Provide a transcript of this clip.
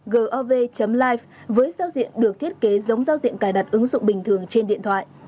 gov life với giao diện được thiết kế giống giao diện cài đặt ứng dụng bình thường trên điện thoại